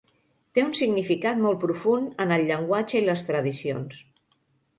Té un significat molt profund en el llenguatge i les tradicions.